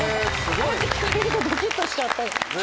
こうやって聞かれるとドキっとしちゃった。